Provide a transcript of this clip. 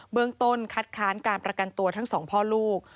เมืองต้นคัดค้านการประกันตัวทั้งสองพ่อลูก